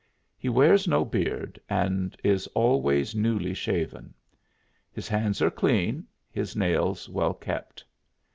He wears no beard, and is always newly shaven. His hands are clean, his nails well kept.